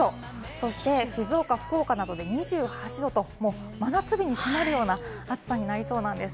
そして静岡、福岡などで２８度と真夏日に迫るような暑さになりそうなんです。